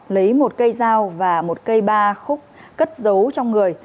lấy một cây dao và một cây ba khúc cất giấu trong người